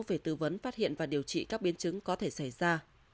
về tư vấn phát hiện và điều trị các biến chứng có thể xảy ra